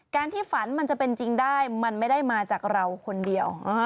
ที่ฝันมันจะเป็นจริงได้มันไม่ได้มาจากเราคนเดียว